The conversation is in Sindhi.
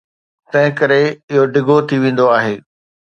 تنهنڪري اهو ڊگهو ٿي ويندو آهي.